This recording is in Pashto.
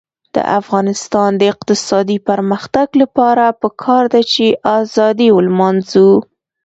د افغانستان د اقتصادي پرمختګ لپاره پکار ده چې ازادي ولمانځو.